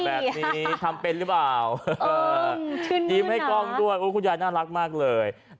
แบบนี้ทำเป็นหรือเปล่ายิ้มให้กล้องด้วยคุณยายน่ารักมากเลย